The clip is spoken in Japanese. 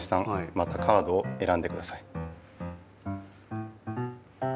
またカードをえらんでください。